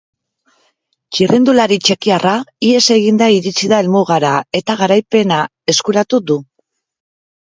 Txirrindulari txekiarra ihes eginda iritsi da helmugara, eta garaipena eskuratu du.